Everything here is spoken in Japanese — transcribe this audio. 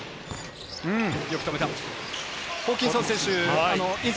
よく止めた。